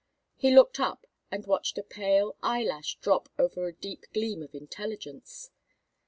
He looked up and watched a pale eyelash drop over a deep gleam of intelligence.